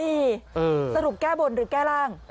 นี่สรุปแก้บนหรือแก้ร่าง